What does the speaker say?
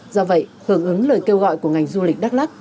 do vậy hưởng ứng lời kêu gọi của ngành du lịch đắk lắc